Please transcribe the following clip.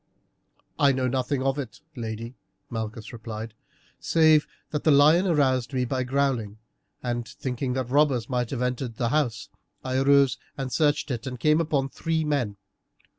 "I know nothing of it, lady," Malchus replied, "save that the lion aroused me by growling, and thinking that robbers might have entered the house, I arose and searched it and came upon three men.